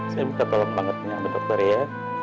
saya minta tolong banget ya bu dokter ya